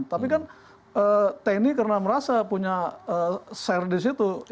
tapi kan tni karena merasa punya share di situ